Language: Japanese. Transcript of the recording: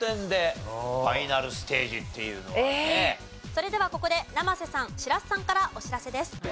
それではここで生瀬さん白洲さんからお知らせです。